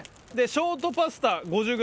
ショートパスタ、５０ｇ。